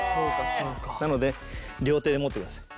なので両手で持ってください。